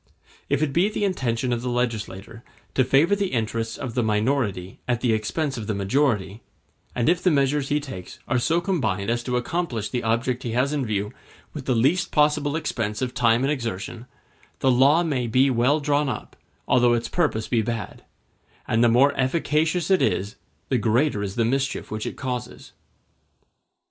If it be the intention of the legislator to favor the interests of the minority at the expense of the majority, and if the measures he takes are so combined as to accomplish the object he has in view with the least possible expense of time and exertion, the law may be well drawn up, although its purpose be bad; and the more efficacious it is, the greater is the mischief which it causes.